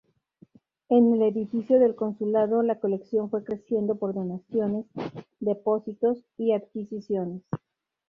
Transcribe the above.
En el edificio del Consulado la colección fue creciendo por donaciones, depósitos y adquisiciones.